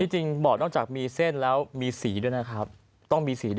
จริงบ่อนอกจากมีเส้นแล้วมีสีด้วยนะครับต้องมีสีด้วย